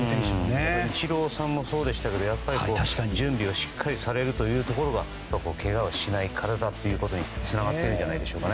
イチローさんもそうでしたが準備をしっかりされるところがけがをしない体につながっているんじゃないでしょうか。